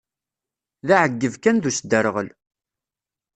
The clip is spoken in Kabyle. D aεyyeb kan d usderɣel.